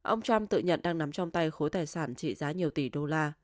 ông trump tự nhận đang nắm trong tay khối tài sản trị giá nhiều tỷ đô la